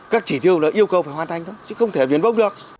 các chỉ tiêu là yêu cầu phải hoàn thành đó chứ không thể viển vông được